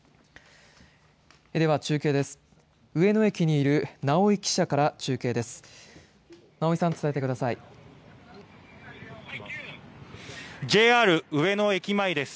では中継です。